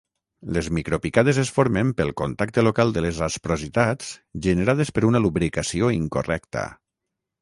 Les micropicades es formen pel contacte local de les asprositats generades per una lubricació incorrecta.